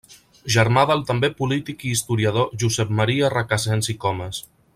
Germà del també polític i historiador Josep Maria Recasens i Comes.